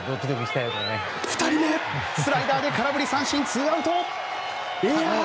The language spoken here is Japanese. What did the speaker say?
２人目、スライダーで空振り三振ツーアウト。